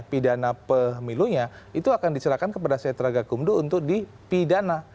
pidana pemilunya itu akan diserahkan kepada setra gakumdu untuk dipidana